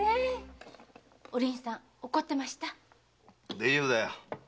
大丈夫だよ。